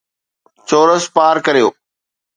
چورس پار ڪريو